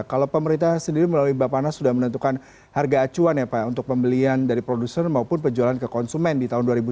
kalau pemerintah sendiri melalui bapak nas sudah menentukan harga acuan ya pak untuk pembelian dari produser maupun penjualan ke konsumen di tahun dua ribu sembilan belas